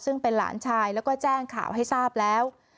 ซึ่งเป็นหลานชายแล้วก็แจ้งข่าวให้ทราบแล้ว